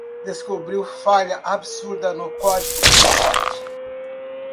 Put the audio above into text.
Descobriu falha absurda no código do site